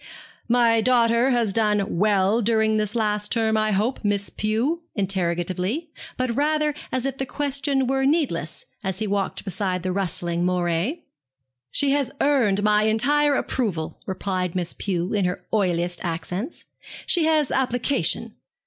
'My daughter has done well during this last term, I hope, Miss Pew?' he said, interrogatively, but rather as if the question were needless, as he walked beside the rustling moiré. 'She has earned my entire approval,' replied Miss Pew, in her oiliest accents. 'She has application.'